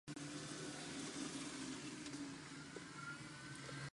Tenía seis hermanas y cinco hermanos.